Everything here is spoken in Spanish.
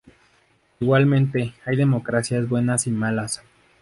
Igualmente, hay democracias buenas y malas.